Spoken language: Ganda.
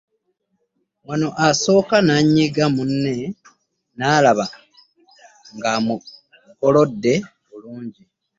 Wano asooka n’anyiga munne n’alaba ng’amugolodde bulungi.